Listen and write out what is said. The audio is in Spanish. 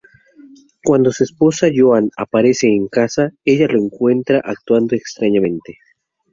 Cuando su esposa Joan aparece en casa, ella lo encuentra actuando extrañamente.